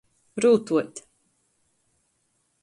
Rūtuot.